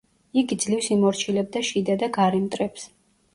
იგი ძლივს იმორჩილებდა შიდა და გარე მტრებს.